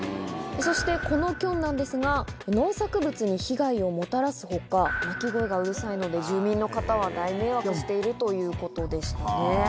そしてこのキョンなんですが、農作物に被害をもたらすほか、鳴き声がうるさいので、住民の方は大迷惑しているということでしたね。